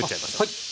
はい。